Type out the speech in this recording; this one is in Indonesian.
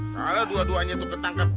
kalo dua duanya tuh ketangkep